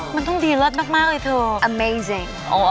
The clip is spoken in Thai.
มันต้องดีลัดมากเลยเถอะ